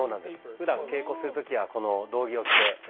ふだん稽古する時はこの道着を着てやっております。